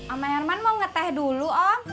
om herman mau ngetah dulu om